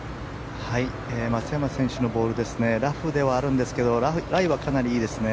松山選手のボールラフではあるんですけどライはかなりいいですね。